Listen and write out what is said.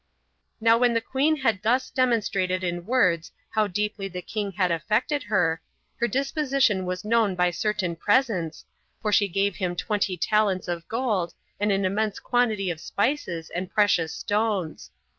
6. Now when the queen had thus demonstrated in words how deeply the king had affected her, her disposition was known by certain presents, for she gave him twenty talents of gold, and an immense quantity of spices and precious stones.